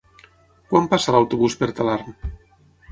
Quan passa l'autobús per Talarn?